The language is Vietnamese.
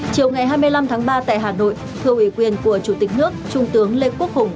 chiều ngày hai mươi năm tháng ba tại hà nội thưa ủy quyền của chủ tịch nước trung tướng lê quốc hùng